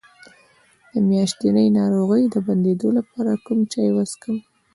د میاشتنۍ ناروغۍ د بندیدو لپاره کوم چای وڅښم؟